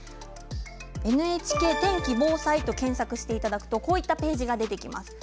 ＮＨＫ天気・防災と検索していただくとページが出てきます。